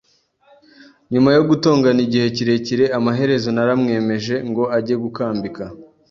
Nyuma yo gutongana igihe kirekire, amaherezo naramwemeje ngo ajye gukambika.